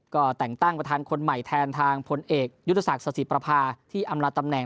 ก็แต่งตั้งประธานคนใหม่แทนทางพลเอกยุทธศักดิ์สถิประพาที่อำลาตำแหน